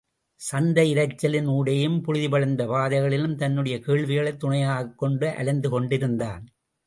சந்தையிரைச்சலின் ஊடேயும், புழுதிபடிந்த பாதைகளிலும், தன்னுடைய கேள்விகளைத் துணையாகக் கொண்டு அலைந்து கொண்டிருந்தான்.